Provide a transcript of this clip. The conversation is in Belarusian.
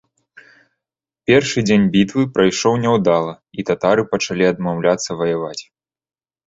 Першы дзень бітвы прайшоў няўдала і татары пачалі адмаўляцца ваяваць.